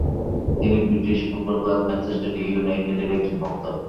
তিনি British football club Manchester United এর একজন ভক্ত।